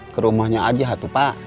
ke rumahnya aja tuh pak